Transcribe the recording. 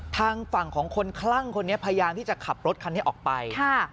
ทางฝั่งของคนคล่างคนนี้พยายามจะถึงคับรถออกไป